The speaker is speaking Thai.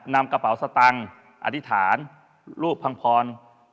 นำกระเป๋าสตังค์อธิษฐานรูปพังพร